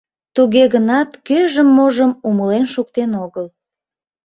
Туге гынат кӧжым-можым умылен шуктен огыл.